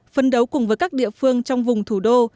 phân đấu cùng với các địa phương trong vùng thủ đô